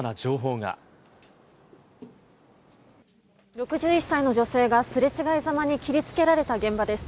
６１歳の女性が、すれ違いざまに切りつけられた現場です。